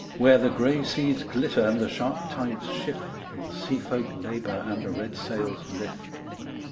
Where the grey seas glitter and the sharp tides shift And the sea folk labour and the red sails lift.